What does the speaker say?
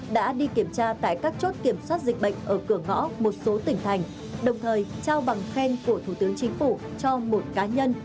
đã đi kiểm tra tại các chốt kiểm soát dịch bệnh ở cửa ngõ một số tỉnh thành đồng thời trao bằng khen của thủ tướng chính phủ cho một cá nhân